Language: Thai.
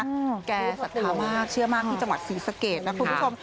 ใกล้ให้สัตว์แก่สัตว์ทราบมากเชื่อมากที่จังหวัดซีแสสเกรดนะคุณผู้ชม